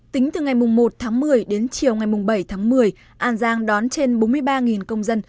tính từ ngày một tháng một mươi đến chiều ngày bảy tháng một mươi an giang đón trên bốn mươi ba công dân